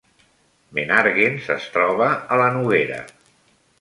Menàrguens es troba a la Noguera